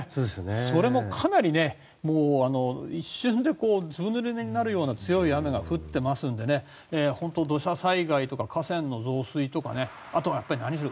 それもかなり一瞬でずぶぬれになるような強い雨が降っていますので土砂災害とか河川の増水とかあとは何しろ